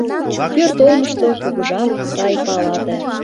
Пӧрт олмышто кугыжан сай палате